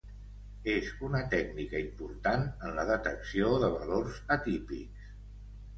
És una tècnica important en la detecció de valors atípics.